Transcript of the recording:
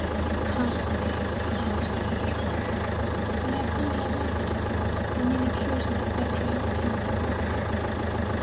"You can't think how hard I've struggled. When I found I loved her, I nearly killed myself trying to kill my love.